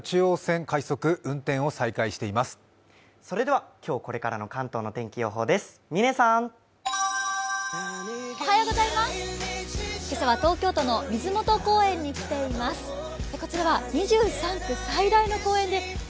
それでは今日これからの関東の天気予報です。